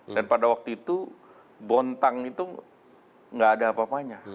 dan pada waktu itu bontang itu nggak ada apa apanya